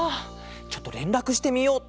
ちょっとれんらくしてみよう。